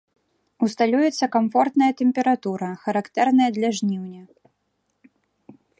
Усталюецца камфортная тэмпература, характэрная для жніўня.